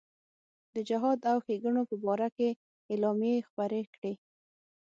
د جهاد او ښېګڼو په باره کې اعلامیې خپرې کړې.